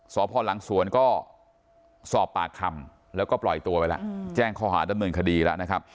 สพหลังสวนก็สอบปากคำแล้วก็ปล่อยตัวไปแล้วแจ้งข้อหาดำเนินคดีแล้วนะครับ